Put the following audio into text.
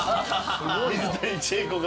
水谷千重子が。